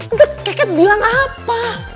untuk keket bilang apa